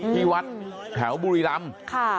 ที่วัดแถวบุรีรำ